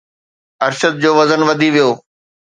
ارشد جو وزن وڌي ويو